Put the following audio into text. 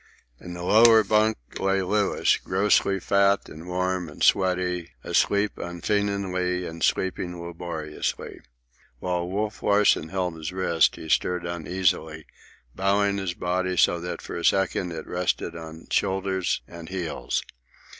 In the lower bunk lay Louis, grossly fat and warm and sweaty, asleep unfeignedly and sleeping laboriously. While Wolf Larsen held his wrist he stirred uneasily, bowing his body so that for a moment it rested on shoulders and heels.